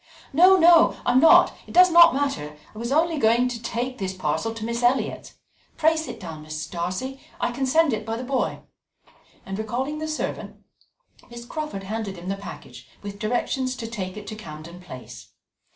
"No, no, I am not it does not matter I was only going to take this parcel to Miss Elliot's pray sit down, Mrs. Darcy I can send it by the boy"; and recalling the servant, Miss Crawford handed him the package with directions to take it to Camden Place.